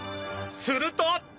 すると！